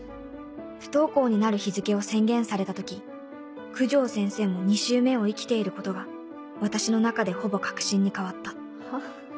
不登校になる日付を宣言された時九条先生も２周目を生きていることが私の中でほぼ確信に変わったは？